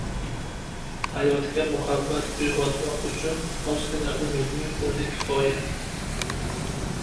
Hayotga muhabbat uyg‘otmoq uchun ozgina umidning o‘zi kifoya.